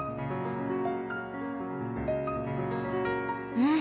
うん。